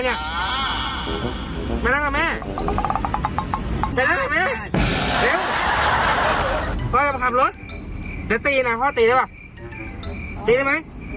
ก่อนเรามาขับรถเดี๋ยวตีนะพ่อตีด้วยบ่